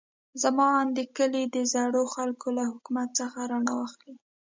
زما اند د کلي د زړو خلکو له حکمت څخه رڼا اخلي.